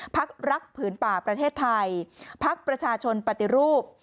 พักรักผืนป่าประเทศไทยพักประชาชนปฏิรูป